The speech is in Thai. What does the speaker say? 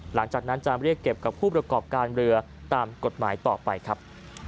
หลังจากนั้นจะเรียกเก็บกับผู้ประกอบการเรือตามกฎหมายต่อไปครับ